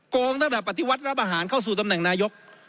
งงตั้งแต่ปฏิวัติรับอาหารเข้าสู่ตำแหน่งนายก